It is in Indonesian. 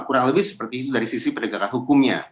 kurang lebih seperti itu dari sisi penegakan hukumnya